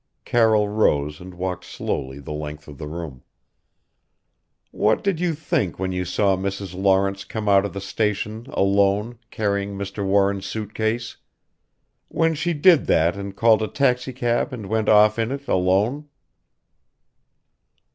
Carroll rose and walked slowly the length of the room. "What did you think when you saw Mrs. Lawrence come out of the station alone carrying Mr. Warren's suit case? When she did that and called a taxicab and went off in it alone?"